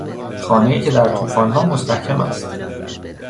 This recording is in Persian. خانهای که در توفانها مستحکم است